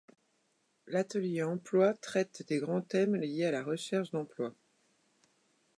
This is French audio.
L’Atelier emploi traite des grands thèmes liés à la recherche d’emploi.